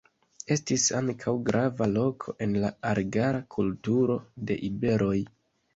Estis ankaŭ grava loko en la argara kulturo de iberoj.